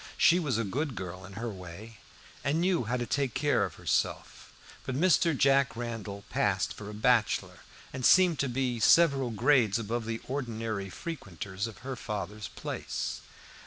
She was a good girl in her way, and knew how to take care of herself; but Mr. Jack Randall passed for a bachelor, and seemed to be several grades above the ordinary frequenters of her father's place.